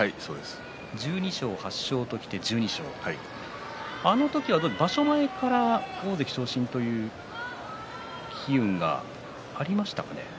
１２勝８勝ときて１２勝あの時は場所前から大関昇進という機運がありましたかね。